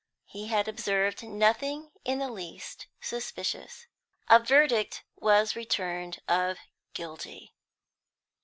He had observed nothing in the least suspicious. A verdict was returned of "Guilty."